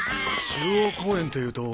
中央公園というと。